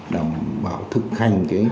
đảm bảo thực hành